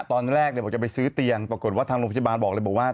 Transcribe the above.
ตอนแรกบอกจะไปซื้อเตียงปรากฏว่าทางโรงพยาบาลบอกเลยบอกว่า